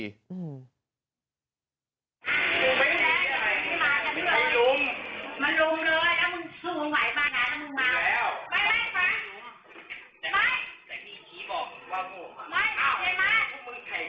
เยอะมาก